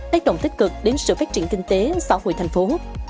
tác động tích cực đến sự phát triển kinh tế xã hội thành phố